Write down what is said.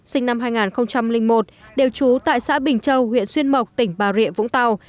sinh năm hai nghìn một đều trú tại xã bình châu huyện xuyên mộc tỉnh bà rịa vũng tàu